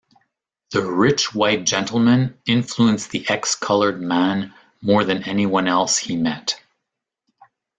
The Rich White Gentleman influenced the Ex-Colored Man more than anyone else he met.